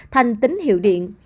thành tính hiệu điện